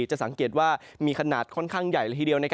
จะสังเกตว่ามีขนาดค่อนข้างใหญ่ละทีเดียว